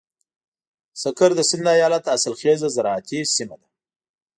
سکر د سيند ايالت حاصلخېزه زراعتي سيمه ده.